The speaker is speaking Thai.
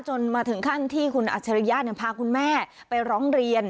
จนมาถึงขั้นที่คุณอัชริยาเนี่ยพาคุณแม่ไปร้องเรียน